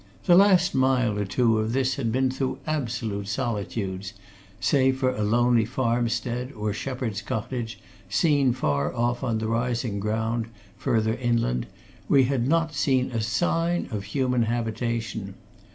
The last mile or two of this had been through absolute solitudes save for a lonely farmstead, or shepherd's cottage, seen far off on the rising ground, further inland, we had not seen a sign of human habitation.